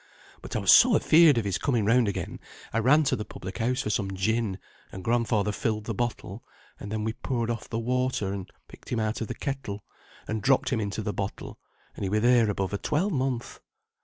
But I was so afeard of his coming round again. I ran to the public house for some gin, and grandfather filled the bottle, and then we poured off the water, and picked him out of the kettle, and dropped him into the bottle, and he were there above a twelvemonth."